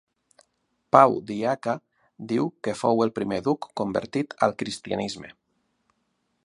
Pau Diaca diu que fou el primer duc convertit al cristianisme.